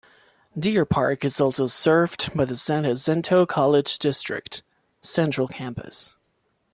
Deer Park is also served by the San Jacinto College District, Central Campus.